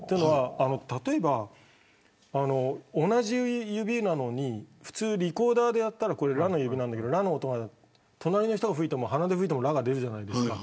例えば同じ指なのに普通リコーダーでやったらラの指なんだけどラの音は隣の人が吹いても鼻で吹いてもラの音が出るじゃないですか。